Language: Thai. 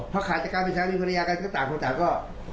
พอขาชักกายเป็นชาวมีภูมิพลายาการก็ต่างคนต่างก็